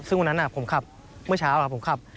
ซึ่งวันนั้นผมขับเมื่อเช้าผมขับ